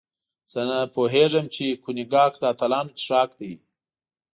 زه پوهېږم چې کونیګاک د اتلانو څښاک دی.